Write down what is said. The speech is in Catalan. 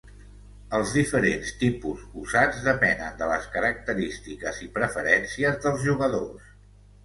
Els diferents tipus usats depenen de les característiques i preferències dels jugadors.